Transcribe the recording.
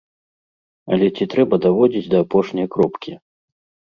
Але ці трэба даводзіць да апошняй кропкі?